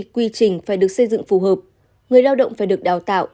quy trình phải được xây dựng phù hợp người lao động phải được đào tạo